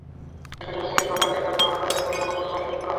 একই সঙ্গে পুলিশ মামলা নিয়ে টালবাহানা করছে বলেও মানববন্ধনে অভিযোগ করা হয়।